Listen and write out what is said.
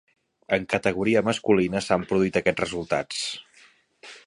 En categoria masculina s'han produït aquests resultats.